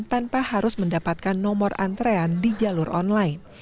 tanpa harus mendapatkan nomor antrean di jalur online